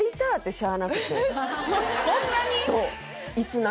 そんなに？